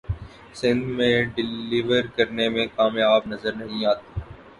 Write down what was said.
سندھ میں ڈیلیور کرنے میں کامیاب نظر نہیں آتی